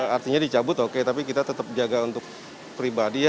artinya dicabut oke tapi kita tetap jaga untuk pribadi ya